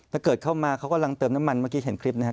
ถ้าเกิดเข้ามาเขากำลังเติมน้ำมันเมื่อกี้เห็นคลิปนะครับ